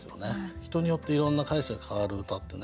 人によっていろんな解釈変わる歌ってね